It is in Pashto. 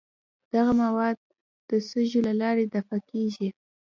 دغه مواد د سږو له لارې دفع کیږي.